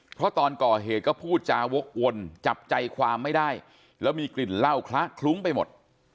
เพราะตอนก่อเหตุก็พูดจาวกวนจับใจความไม่ได้แล้วมีกลิ่นเหล้าคละคลุ้งไปหมด